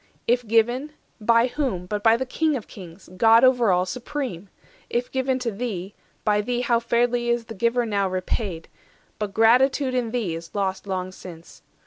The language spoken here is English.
If given, by whom but by the King of kings, God over all supreme? If given to thee, By thee how fairly is the Giver now Repaid! But gratitude in thee is lost Long since.